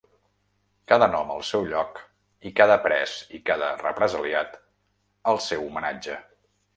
Cada nom al seu lloc i cada pres i cada represaliat, el seu homenatge.